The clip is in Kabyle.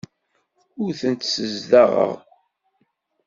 Ur tent-ssezdaɣeɣ.